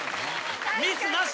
ミスなし？